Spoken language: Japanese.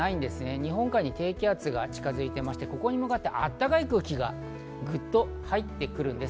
日本海側に低気圧が近づいていまして、ここに向かってあったかい空気がぐっと入ってくるんです。